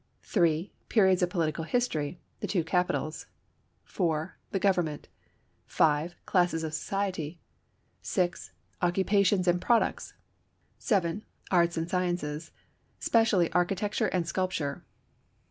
3. Periods of political history; the two capitals. 4. The government. 5. Classes of society. 6. Occupations and products. 7. Arts and sciences; specially architecture and sculpture.